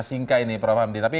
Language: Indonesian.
singkai ini prof hamdi